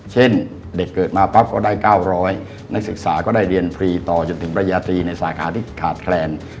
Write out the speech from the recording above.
เช่นเด็กเกิดมาปั๊บก็ได้๙๐๐นักศึกษาก็ได้เรียนฟรีต่อจนถึงปริญญาตรีในสาขาที่ขาดแคลน